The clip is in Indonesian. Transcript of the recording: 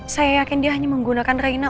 saya yakin dia hanya menggunakan reina